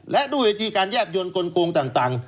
และด้วยวิธีการแยบยนต์กลงต่าง